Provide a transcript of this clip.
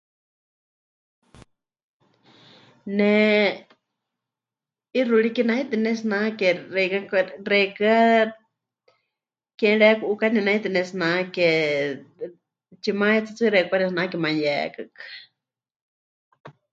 Ne 'ixuuriki naitɨ pɨnetsinake, xeikɨ́a kwa... xeikɨ́a ke mɨreku'ukani naitɨ pɨnetsinake, tsimayetsutsui xeikɨ́a pɨkanetsinake, manuyeheekɨkɨa.